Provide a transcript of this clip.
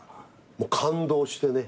もう感動してね。